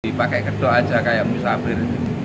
dipakai kedok aja kayak musafir